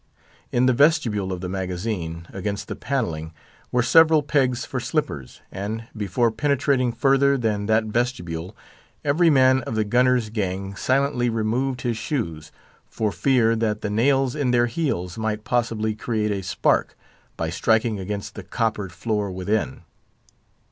In the vestibule of the Magazine, against the panelling, were several pegs for slippers, and, before penetrating further than that vestibule, every man of the gunner's gang silently removed his shoes, for fear that the nails in their heels might possibly create a spark, by striking against the coppered floor within.